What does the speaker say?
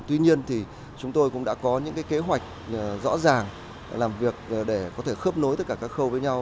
tuy nhiên thì chúng tôi cũng đã có những kế hoạch rõ ràng làm việc để có thể khớp nối tất cả các khâu với nhau